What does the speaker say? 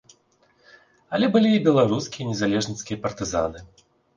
Але былі і беларускія незалежніцкія партызаны.